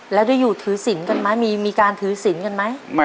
แล้วได้อยู่ถือศิลป์กันไหมมีการถือศิลป์กันไหม